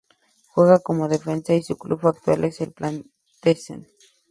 Juega como defensa, y su club actual es el "Platense".